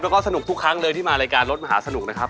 แล้วก็สนุกทุกครั้งเลยที่มารายการรถมหาสนุกนะครับ